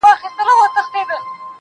په شرایطو کې د ښهوالي راوستل دي